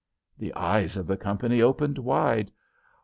"The eyes of the company opened wide.